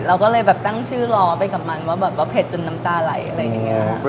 เราก็เลยแบบตั้งชื่อล้อไปกับมันว่าแบบว่าเผ็ดจนน้ำตาไหลอะไรอย่างนี้